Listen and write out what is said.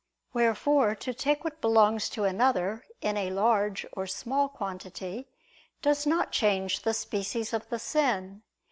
Wherefore to take what belongs to another in a large or small quantity, does not change the species of the sin.